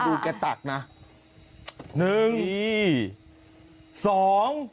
แกตักนะหนึ่งสอง